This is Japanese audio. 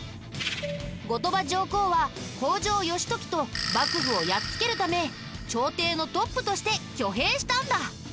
後鳥羽上皇は北条義時と幕府をやっつけるため朝廷のトップとして挙兵したんだ。